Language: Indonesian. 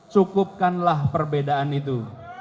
cukupkanlah perbedaan itu